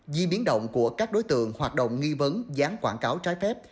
di biến động của các đối tượng hoạt động nghi vấn dán quảng cáo trái phép